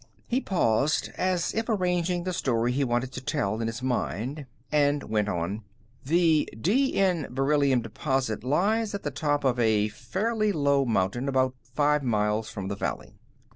He paused, as if arranging the story he wanted to tell in his mind, and went on. "The D N beryllium deposit lies at the top of a fairly low mountain about five miles from the valley.